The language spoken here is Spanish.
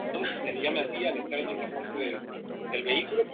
La proyección lateral estricta implica la superposición de ambos lados.